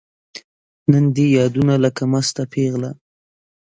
نن دي یادونو لکه مسته پیغله